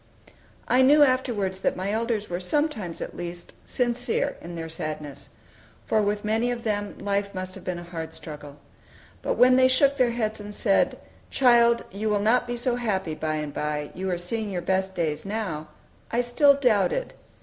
I knew afterwards that my elders were sometimes, at least, sincere in their sadness; for with many of them life must have been a hard struggle. But when they shook their heads and said, "Child, you will not be so happy by and by; you are seeing your best days now," I still doubted.